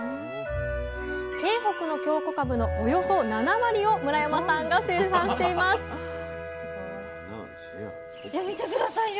京北の京こかぶのおよそ７割を村山さんが生産していますいや見て下さいよ